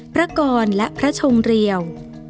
พระกรและพระชงเรียว